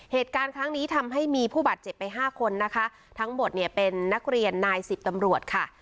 เหตุการณ์ครั้งนี้ทำให้มีผู้บาดเจ็บไปห้าคนนะคะทั้งหมดเนี่ยเป็นนักเรียนนายสิบตำรวจค่ะ